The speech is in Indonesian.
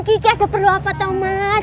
kiki ada perlu apa tuh mas